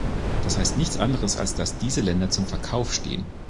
Das heißt nichts anderes, als dass diese Länder zum Verkauf stehen.